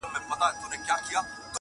دا د پنځو زرو کلونو کمالونو کیسې؛